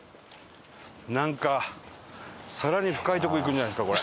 なんか更に深いとこ行くんじゃないですか？